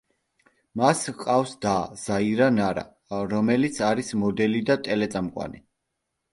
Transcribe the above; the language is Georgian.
მას ჰყავს და, ზაირა ნარა, რომელიც არის მოდელი და ტელე-წამყვანი.